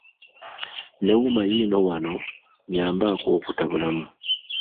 Ne wuuma yiino wano nnyambaako okutabulamu.